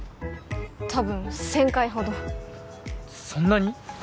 多分１０００回ほどそんなに！？